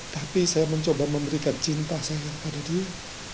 tapi saya mencoba memberikan cinta saya pada dia